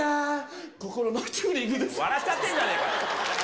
笑っちゃってんじゃねーか。